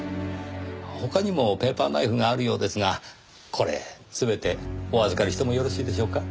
他にもペーパーナイフがあるようですがこれ全てお預かりしてもよろしいでしょうか？